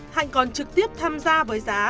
hạnh còn trực tiếp tham gia với giá